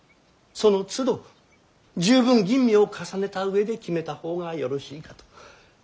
そのつど十分吟味を重ねた上で決めた方がよろしいかと。